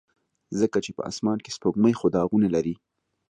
ځکه چې په اسمان کې سپوږمۍ خو داغونه لري.